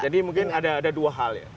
jadi mungkin ada dua hal ya